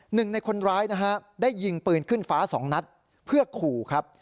หนึ่งในคนร้ายนะฮะได้ยิงปืนขึ้นฟ้าสองนัดเพื่อขู่ครับ